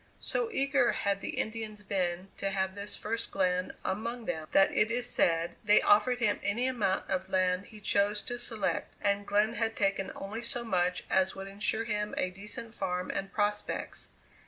So eager had the Indians been to have this first Glenn among them that it is said they offered him any amount of land he chose to select, and Glenn had taken only so much as would insure him a decent farm and prospects.